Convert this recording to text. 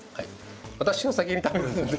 私が先に食べるんですね？